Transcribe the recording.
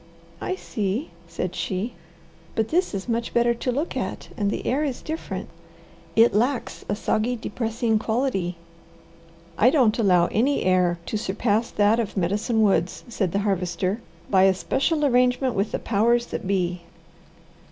"I see," said she. "But this is much better to look at and the air is different. It lacks a soggy, depressing quality." "I don't allow any air to surpass that of Medicine Woods," said the Harvester, "by especial arrangement with the powers that be."